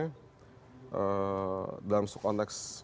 hmm dalam suku konteks sistem pradisional